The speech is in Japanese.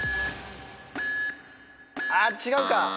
あっ違うか。